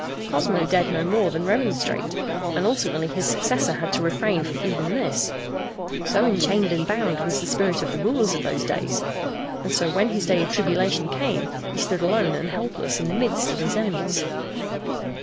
Cosmo dared no more than remonstrate, and ultimately his successor had to refrain from even this, so enchained and bound was the spirit of the rulers of those days; and so when his day of tribulation came he stood alone and helpless in the midst of his enemies.